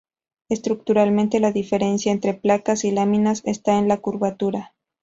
Estructuralmente la diferencia entre placas y láminas está en la curvatura.